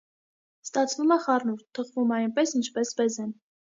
Ստացվում է խառնուրդ, թխվում է այնպես, ինչպես բեզեն։